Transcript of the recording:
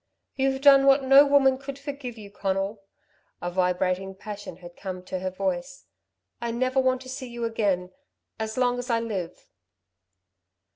"You've done what no woman could forgive you, Conal." A vibrating passion had come to her voice. "I never want to see you again as long as I live."